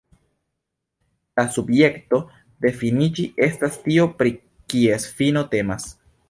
La subjekto de finiĝi estas tio, pri kies fino temas.